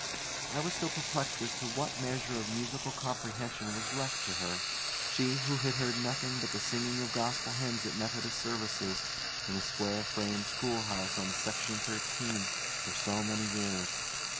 I was still perplexed as to what measure of musical comprehension was left to her, she who had heard nothing but the singing of gospel hymns at Methodist services in the square frame schoolhouse on Section Thirteen for so many years.